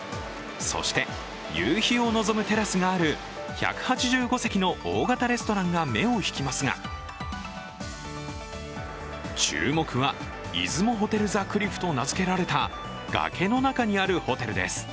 そして、夕日を望むテラスがある１８５席の大型レストランが目を引きますが注目はＩＺＵＭＯＨＯＴＥＬＴＨＥＣＬＩＦＦと名づけられた崖の中にあるホテルです。